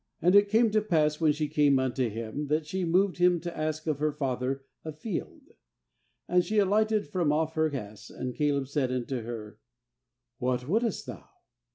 14And it came to pass, when she came unto him, that she moved him to ask of her father a field; and she alighted from off her ass; and Caleb said unto her: 'What wpuldest thou?'